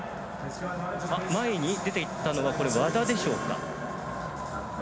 前に出ていったのは、これ、和田でしょうか。